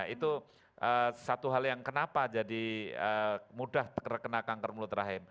itu satu hal yang kenapa jadi mudah terkena kanker mulut rahim